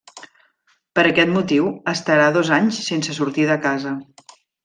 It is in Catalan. Per aquest motiu, estarà dos anys sense sortir de casa.